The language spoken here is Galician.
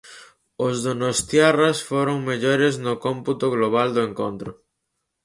Os donostiarras foron mellores no cómputo global do encontro.